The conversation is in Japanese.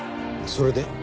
それで？